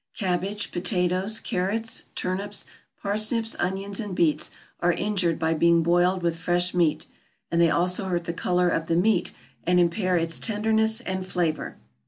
Cabbage, potatoes, carrots, turnips, parsnips, onions, and beets, are injured by being boiled with fresh meat, and they also hurt the color of the meat, and impair its tenderness and flavor.